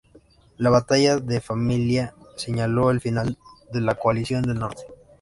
La batalla de Famaillá señaló el final de la Coalición del Norte.